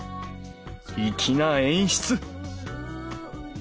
粋な演出！